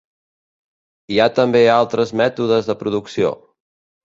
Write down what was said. Hi ha també altres mètodes de producció.